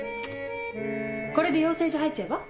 これで養成所入っちゃえば？